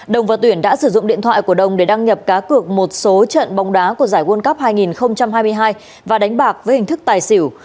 đồng và tuyển đã sử dụng điện thoại của đồng để đăng nhập cá cược một số trận bóng đá của giải world cup hai nghìn hai mươi hai và đánh bạc với hình thức tài xỉu